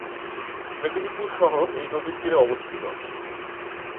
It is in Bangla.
মেদিনীপুর শহর এই নদীর তীরে অবস্থিত।